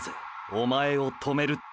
“おまえを止める”って！！